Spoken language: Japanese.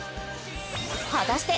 果たして